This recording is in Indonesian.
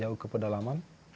yang jauh ke pedalaman